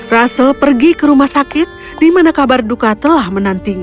russel pergi ke rumah sakit di mana kabar duka telah menantinya